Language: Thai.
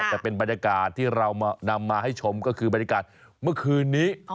แต่เป็นบรรยากาศที่เรานำมาให้ชมก็คือบรรยากาศเมื่อคืนนี้